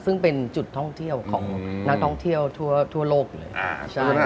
ซึ่งเป็นจุดท่องเที่ยวของนักท่องเที่ยวทั่วโลกเลยใช่ไหม